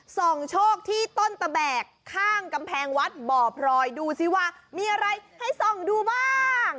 ส่องโชคที่ต้นตะแบกข้างกำแพงวัดบ่อพลอยดูสิว่ามีอะไรให้ส่องดูบ้าง